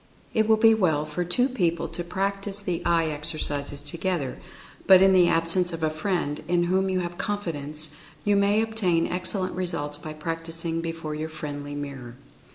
It will be well for two people to practice the Eye Exercises together, but in the absence of a friend in whom you have confidence, you may obtain excellent results by practicing before your friendly mirror.